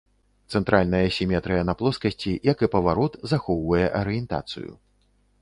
Цэнтральная сіметрыя на плоскасці, як і паварот, захоўвае арыентацыю.